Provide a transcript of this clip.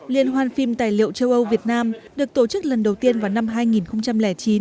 liên hoan phim tài liệu châu âu việt nam được tổ chức lần đầu tiên vào năm hai nghìn chín